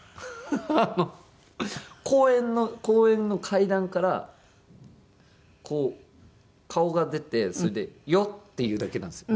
あの公園の公園の階段からこう顔が出てそれで「よっ！」って言うだけなんです